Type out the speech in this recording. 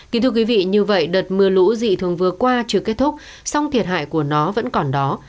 kính thưa quý vị như vậy đợt mưa lũ dị thường vừa qua chưa kết thúc song thiệt hại của nó vẫn còn đó